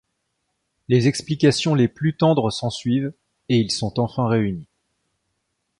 Les explications les plus tendres s'ensuivent, et ils sont enfin réunis.